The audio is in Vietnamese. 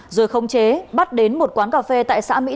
rồi khống chế bắt đến một quán cà phê tại xã mỹ đông